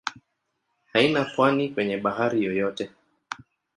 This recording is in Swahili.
Haina pwani kwenye bahari yoyote.